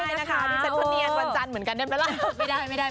ไม่ได้นะคะดูเสร็จพอเนียนวันจันทร์เหมือนกันเรียบร้อย